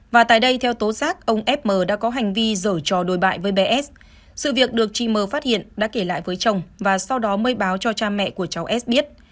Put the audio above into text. và tại đây theo tố xác ông f m đã có hành vi dở trò đối bại với bé s sự việc được chi m phát hiện đã kể lại với chồng và sau đó mới báo cho cha mẹ của cháu s biết